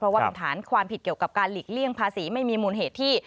เพราะว่าเป็นฐานความผิดเกี่ยวกับการหลีกเลี่ยงภาษีไม่มีมูลเหตุที่